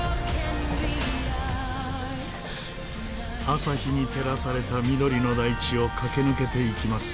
朝日に照らされた緑の大地を駆け抜けていきます。